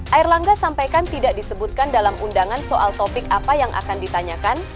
air langga sampaikan tidak disebutkan dalam undangan soal topik apa yang akan ditanyakan